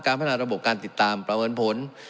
พัฒนาระบบการติดตามประเมินผล